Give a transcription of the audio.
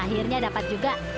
akhirnya dapat juga